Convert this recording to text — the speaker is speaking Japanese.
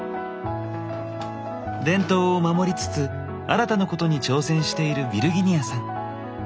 伝統を守りつつ新たなことに挑戦しているヴィルギニヤさん。